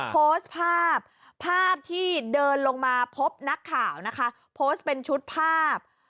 โพสต์ภาพภาพที่เดินลงมาพบนักข่าวนะคะโพสต์เป็นชุดภาพ